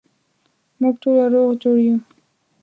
موږ ټوله روغ جوړ یو